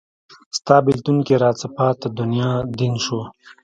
ستا بیلتون کې راڅه پاته دنیا دین شو